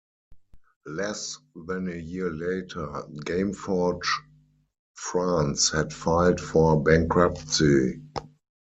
Less than a year later, Gameforge France had filed for bankruptcy.